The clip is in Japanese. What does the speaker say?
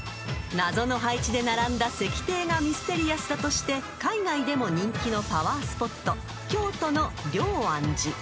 ［謎の配置で並んだ石庭がミステリアスだとして海外でも人気のパワースポット］